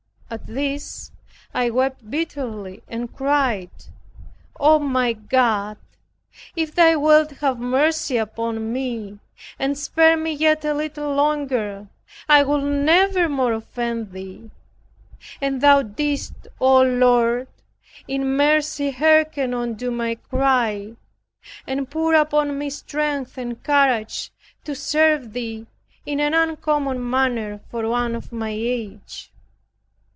At this I wept bitterly, and cried, "Oh, my God, if Thou wilt have mercy upon me, and spare me yet a little longer, I will never more offend Thee." And thou didst, O Lord, in mercy hearken unto my cry, and pour upon me strength and courage to serve thee, in an uncommon manner for one of my age.